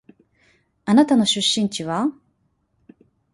あなたの出身地は？